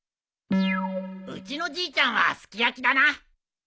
うちのじいちゃんはすき焼きだな。